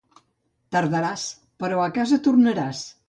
Tardaràs, però a casa tornaràs.